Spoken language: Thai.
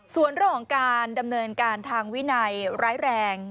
ส่วนเรื่องดำเนินวินัยร้ายแรง